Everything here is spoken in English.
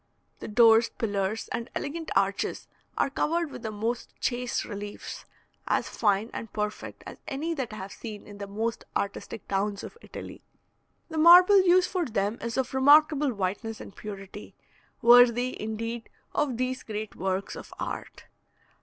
The doors, pillars, and elegant arches are covered with the most chaste reliefs, as fine and perfect as any that I have seen in the most artistic towns of Italy. The marble used for them is of remarkable whiteness and purity, worthy, indeed, of these great works of art.